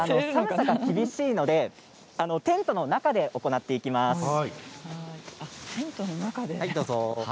寒さが厳しいのでテントの中で行っていきます。